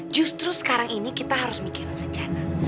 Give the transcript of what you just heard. justru sekarang ini kita harus mikir rencana